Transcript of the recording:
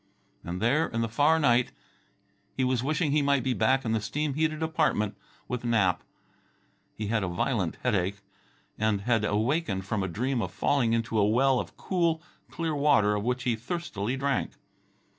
And there, in the far night, he was wishing he might be back in the steam heated apartment with Nap. He had a violent headache, and he had awakened from a dream of falling into a well of cool, clear water of which he thirstily drank.